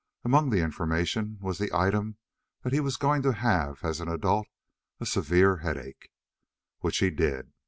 Among the information was the item that he was going to have as an adult a severe headache. Which he did.